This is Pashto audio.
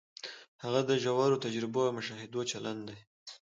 هغه د ژورو تجربو او مشاهدو چلن دی.